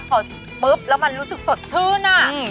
พอปุ๊บแล้วมันรู้สึกสดชื่นอ่ะ